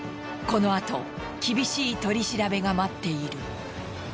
このあと厳しい取り調べが待っている。